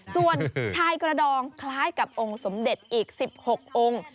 ส่วนชายกระดองคล้ายกับองค์สมเด็จอีก๑๖องค์